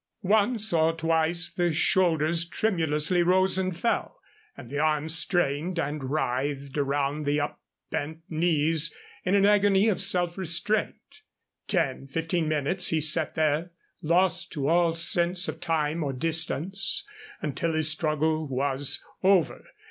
Once or twice the shoulders tremulously rose and fell, and the arms strained and writhed around the up bent knees in an agony of self restraint. Ten, fifteen minutes he sat there, lost to all sense of time or distance, until his struggle was over.